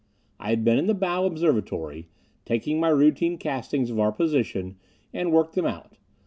I had been in the bow observatory; taken my routine castings of our position and worked them out.